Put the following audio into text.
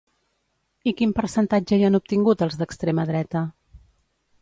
I quin percentatge hi han obtingut els d'extrema dreta?